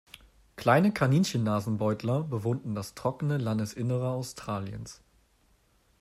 Kleine Kaninchennasenbeutler bewohnten das trockene Landesinnere Australiens.